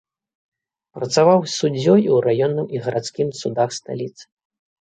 Працаваў суддзёй у раённым і гарадскім судах сталіцы.